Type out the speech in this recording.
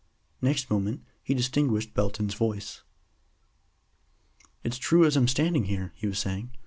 Next moment he distinguished Belton's voice. "It's true as I'm standing here," he was saying.